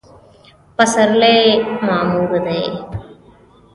پسرلی معمور دی